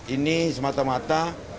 ini semata mata